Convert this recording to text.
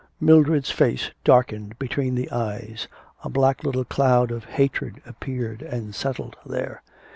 Mildred's face darkened between the eyes, a black little cloud of hatred appeared and settled there.